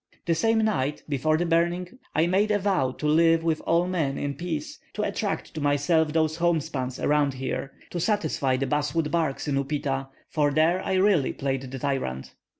The same night, before the burning I made a vow to live with all men in peace, to attract to myself these homespuns around here, to satisfy the basswood barks in Upita, for there I really played the tyrant.